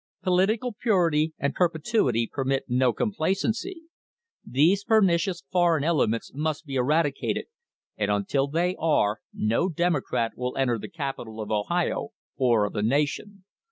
Political purity and perpetuity permit no complacency. These pernicious foreign elements must be eradicated, and until they are no Democrat will enter the capitol of Ohio or of the nation.